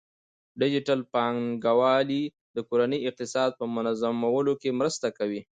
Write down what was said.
ډیجیټل بانکوالي د کورنۍ اقتصاد په منظمولو کې مرسته کوي.